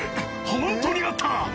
ホントにあった。